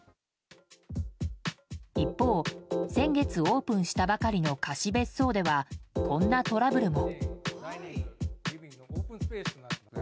一方、先月オープンしたばかりの貸別荘ではこんなトラブルも。